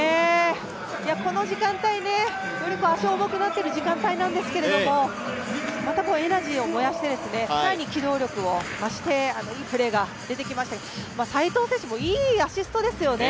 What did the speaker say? この時間帯、より足重くなっている時間帯なんですけれども、またエナジーを燃やして、更に機動力を増していいプレーが出てきましたが、齋藤選手もいいアシストですよね。